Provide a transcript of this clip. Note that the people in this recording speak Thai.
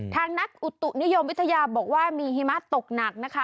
ทางนักอุตุนิยมวิทยาบอกว่ามีหิมะตกหนักนะคะ